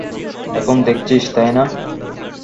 এখন দেখছিস, তাই না?